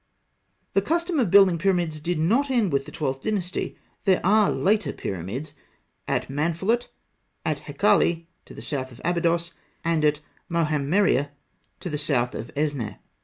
] The custom of building pyramids did not end with the Twelfth Dynasty; there are later pyramids at Manfalût, at Hekalli to the south of Abydos, and at Mohammeriyeh to the south of Esneh.